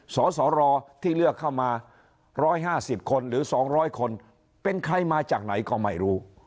สสรที่เลือกเข้ามา๑๕๐คนหรือ๒๐๐คนเป็นใครมาจากไหนก็ไม่รู้